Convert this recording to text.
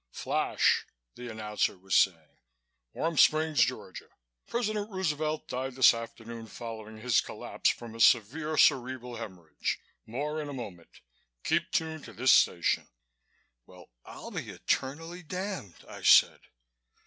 "Flash!" the announcer was saying. "Warm Springs, Georgia. President Roosevelt died this afternoon following his collapse from a severe cerebral hemorrhage. More in a moment. Keep tuned to this station." "Well, I'll be eternally damned!" I said.